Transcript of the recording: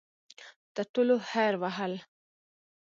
ټولو هررر وهل.